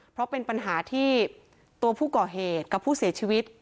เพราะเป็นปัญหาที่ตัวผู้ก่อเหตุกับผู้เสียชีวิต